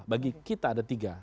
bagi kita ada tiga